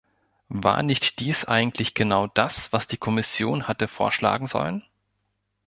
War nicht dies eigentlich genau das, was die Kommission hatte vorschlagen sollen?